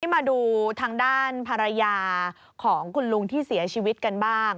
มาดูทางด้านภรรยาของคุณลุงที่เสียชีวิตกันบ้าง